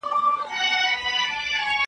موږ نه پوهیږو چي رباب .